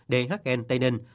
đhn tây ninh